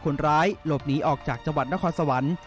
คนร้ายหลบหนีออกจากจังหวัดนครสวรรค์